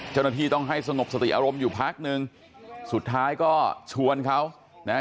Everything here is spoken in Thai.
เจ้าหน้าที่ต้องให้สงบสติอารมณ์อยู่พักนึงสุดท้ายก็ชวนเขานะฮะ